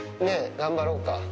頑張ろうか。